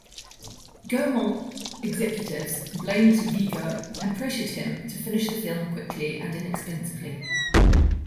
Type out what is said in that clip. Gaumont executives blamed Vigo and pressured him to finish the film quickly and inexpensively.